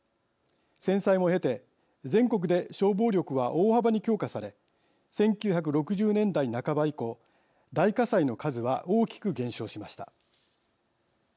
戦災も経て、全国で消防力は大幅に強化され１９６０年代半ば以降大火災の数は大きく減少しました。